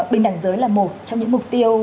bình đẳng giới là một trong những mục tiêu